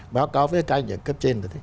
báo cáo với các nhà cấp trên